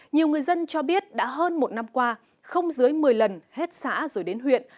nhiều người dân cho biết đã hơn một năm qua không dưới một mươi lần hết xã rồi đến huyện